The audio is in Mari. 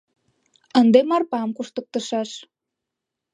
Ынде Марпам куштыктышаш!..